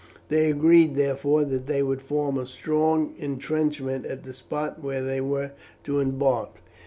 They agreed, therefore, that they would form a strong intrenchment at the spot where they were to embark.